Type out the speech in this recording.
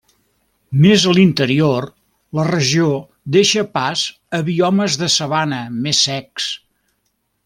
Més a l'interior, la regió deixa pas a biomes de sabana més secs.